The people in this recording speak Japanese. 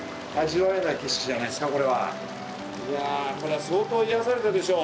いやこれは相当癒やされたでしょう